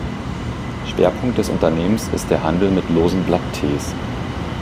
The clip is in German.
Schwerpunkt des Unternehmens ist der Handel mit losen Blatt-Tees.